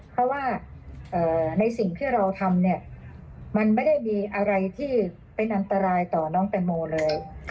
เพราะว่าในสิ่งที่เราทำเนี่ยมันไม่ได้มีอะไรที่เป็นอันตรายต่อน้องแตงโมเลย